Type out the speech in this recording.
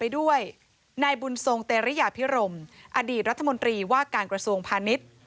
อดีตรัฐมนตรีว่าการกระทรวงพาณิชย์